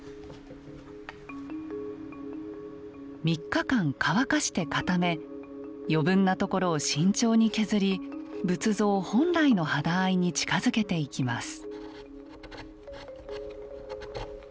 ３日間乾かして固め余分なところを慎重に削り仏像本来の肌合いに近づけていきます。